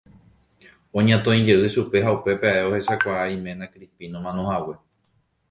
Oñatõijey chupe ha upépe ae ohechakuaa iména Crispín omanohague.